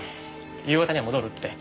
夕方には戻るって。